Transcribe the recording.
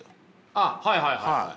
あっはいはいはいはい。